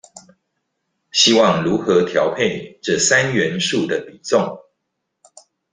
希望如何調配這三元素的比重